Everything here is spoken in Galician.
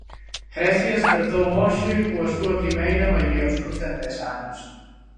Grecia espertou hoxe coa súa primeira maioría absoluta en dez anos.